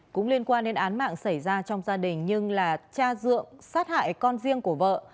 cũng liên quan đến án mạng xảy ra trong gia đình nhưng là cha dượng sát hại con riêng của vợ